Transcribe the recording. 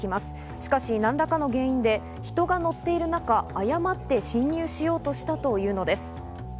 しかし何らかの原因で、人が乗っている中、誤って進入しようとしたというのです。